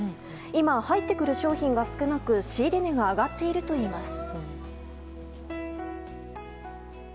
今、入ってくる商品が少なく仕入れ値が上がっているといいます。